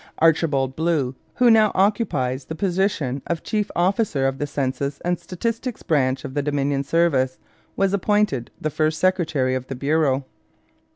Archibald Blue, who now occupies the position of chief officer of the census and statistics branch of the Dominion service, was appointed the first secretary of the bureau.